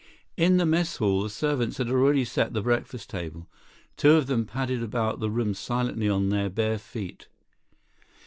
In the mess hall, the servants had already set the breakfast table. Two of them padded about the room silently on their bare feet.